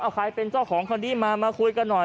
เอาใครเป็นเจ้าของคนนี้มามาคุยกันหน่อย